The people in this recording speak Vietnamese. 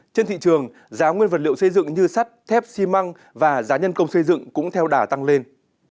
trên thị trường giá nguyên vật liệu xây dựng như sắt thép xi măng và giá nhân công xây dựng cũng theo đà tăng lên